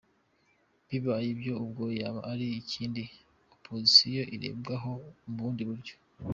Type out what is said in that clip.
Bibaye ibyo ubwo yaba ari indi opozisiyo irebwaho mu bundi buryo.